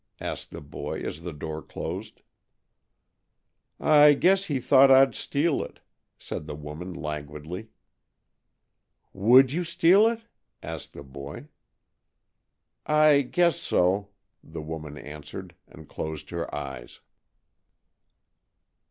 asked the boy as the door closed. "I guess he thought I'd steal it," said the woman languidly. "Would you steal it?" asked the boy. "I guess so," the woman answered, and closed her eyes, III.